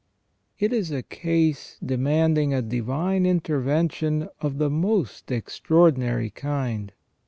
It is a case demanding a divine intervention of the most extraordinary kind.